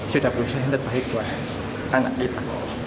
sudah berusaha yang terbaik buat anak kita